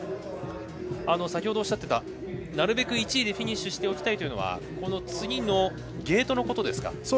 先ほどおっしゃっていたなるべく１位でフィニッシュしておきたいというのはこの次のゲートのことですか。